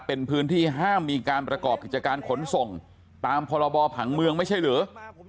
เป็นพื้นที่ห้ามมีการประกอบกิจการขนส่งตามพรบผังเมืองไม่ใช่หรือ